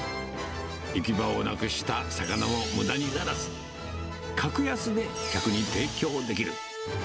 行き場をなくした魚もむだにならず、格安で客に提供できる。